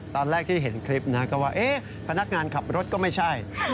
ตอนแรกที่เห็นคลิปนะก็ว่าพนักงานขับรถก็ไม่ใช่